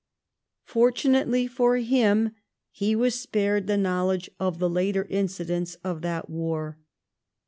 Fortunately for him he was spared the knowledge of the later incidents of that war.